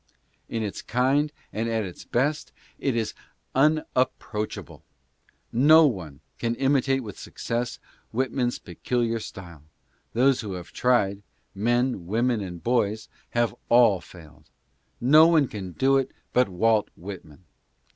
In its kind, and at its best, it is unap proachable. No one can imitate with success Whitman's pecu liar style ; those who have tried — men, women and boys — have all failed. No one can do it but Walt Whitman.